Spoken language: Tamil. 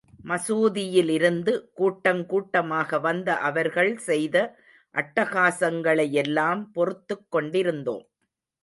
மசூதியிலிருந்து கூட்டங் கூட்டமாக வந்த அவர்கள் செய்த அட்டகாசங்களையெல்லாம் பொறுத்துக் கொண்டிருந்தோம்.